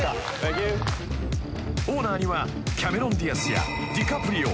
［オーナーにはキャメロン・ディアスやディカプリオ。